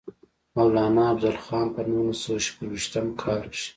مولانا افضل خان پۀ نولس سوه شپږيشتم کال کښې